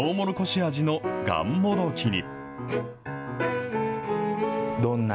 味のがんもどきに。